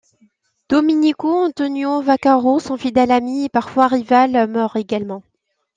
Domenico Antonio Vaccaro, son fidèle ami, et parfois rival, meurt également.